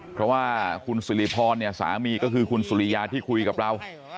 เพราะว่าคุณสิริพรเนี่ยสามีก็คือคุณสุริยาที่คุยกับเรา